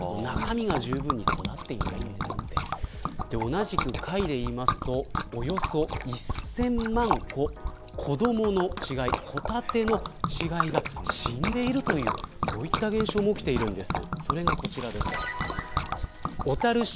同じく貝でいうとおよそ１０００万個ホタテの稚貝が死んでいるというそういった現象も起きているんです。